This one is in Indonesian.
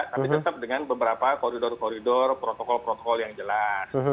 tapi tetap dengan beberapa koridor koridor protokol protokol yang jelas